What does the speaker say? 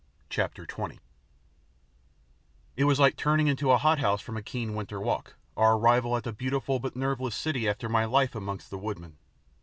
CHAPTER XX It was like turning into a hothouse from a keen winter walk, our arrival at the beautiful but nerveless city after my life amongst the woodmen.